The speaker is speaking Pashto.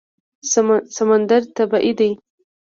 سمندر طبیعي دی.